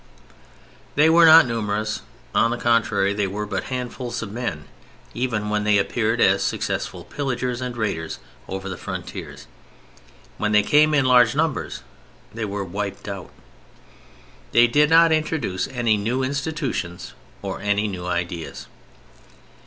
They were not numerous; on the contrary, they were but handfuls of men, even when they appeared as successful pillagers and raiders over the frontiers. When they came in large numbers, they were wiped out. They did not introduce any new institutions or any new ideas.